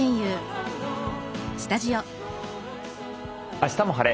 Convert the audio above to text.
「あしたも晴れ！